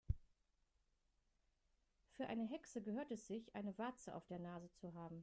Für eine Hexe gehört es sich, eine Warze auf der Nase zu haben.